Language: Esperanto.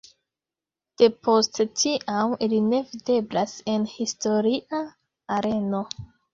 De post tiam ili ne videblas en historia areno.